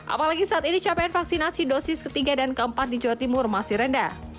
apalagi saat ini capaian vaksinasi dosis ke tiga dan ke empat di jawa timur masih rendah